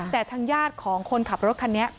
แต่ทางญาติของคนขับรถคันนี้